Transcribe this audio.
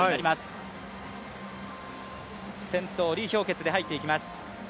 先頭、李氷潔で入っていきます。